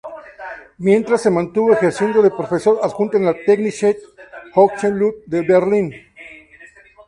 Mientras se mantuvo ejerciendo de profesor adjunto de la Technische Hochschule de Berlin.